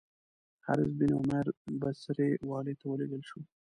حارث بن عمیر بصري والي ته ولېږل شو.